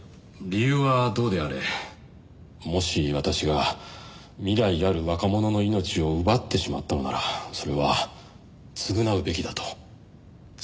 理由はどうであれもし私が未来ある若者の命を奪ってしまったのならそれは償うべきだと。